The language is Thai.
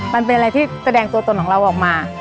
มันเป็นอะไรที่แสดงตัวตนของเราออกมา